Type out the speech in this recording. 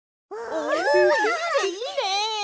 おいいねいいね！